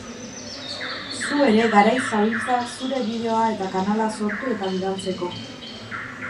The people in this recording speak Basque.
Zu ere garaiz zabiltza zure bideoa eta kanala sortu eta bidaltzeko.